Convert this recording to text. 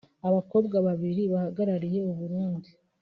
Abakobwa babiri bahagarariye u Burundi